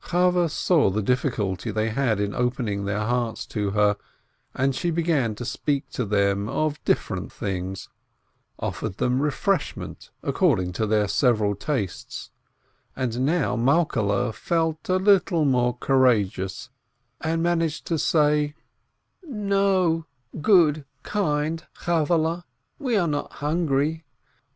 Chavveh saw the difficulty they had in opening their hearts to her, and she began to speak to them of different things, offered them refreshment 472 BLItfKItf according to their several tastes, and now Malkehle felt a little more courageous, and managed to say : "N"o, good, kind Chavvehle, we are not hungry.